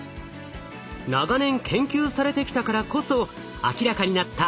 長年研究されてきたからこそ明らかになった